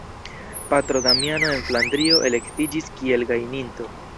Patro Damiano en Flandrio elektiĝis kiel gajninto.